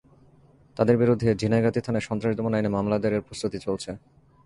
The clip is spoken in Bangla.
তাঁদের বিরুদ্ধে ঝিনাইগাতী থানায় সন্ত্রাস দমন আইনে মামলা দায়েরের প্রস্তুতি চলছে।